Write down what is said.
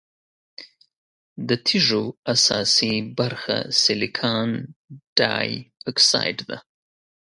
د تیږو اساسي برخه سلیکان ډای اکسايډ ده.